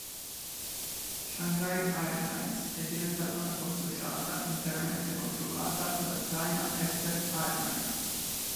Shanghai Airlines è diventata una consociata interamente controllata da China Eastern Airlines.